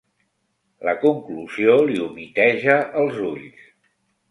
La conclusió li humiteja els ulls.